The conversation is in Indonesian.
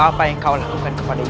apa yang kau lakukan kepada ibu